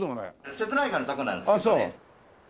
瀬戸内海のたこなんですけどね。